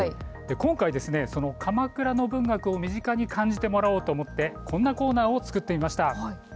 今回、鎌倉の文学を身近に感じてもらおうと思ってこんなコーナーを作ってみました。